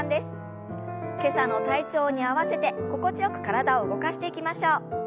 今朝の体調に合わせて心地よく体を動かしていきましょう。